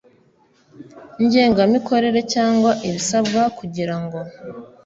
ngengamikorere cyangwa ibisabwa kugira ngo